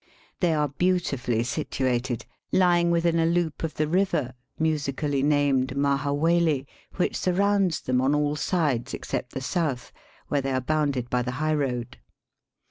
They are beautifully situated, lying within a loop of the river, musically named Mahaweli, which surrounds them on all sides, except the south, where they are bounded by the high road.